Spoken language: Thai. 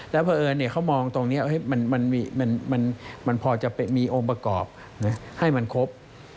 เพราะเอิญเขามองตรงนี้มันพอจะมีองค์ประกอบให้มันครบ